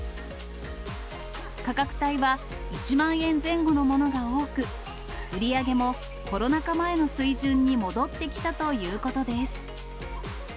価格帯は１万円前後のものが多く、売り上げもコロナ禍前の水準に戻ってきたということです。